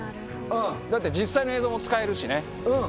だって、実際の映像も使えるしね。